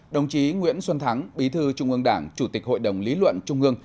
đồng chí nguyễn xuân thắng bí thư trung ương đảng chủ tịch hội đồng lý luận trung ương